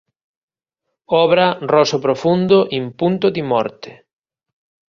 Obra: Rosso Profundo In Punto Di Morte